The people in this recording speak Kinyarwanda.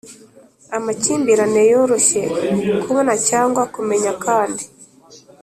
Amakimbirane yoroshye kubona cyangwa kumenya kandi